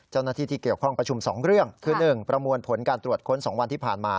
เจ้าหน้าที่ที่เกี่ยวข้องประชุม๒เรื่องคือ๑ประมวลผลการตรวจค้น๒วันที่ผ่านมา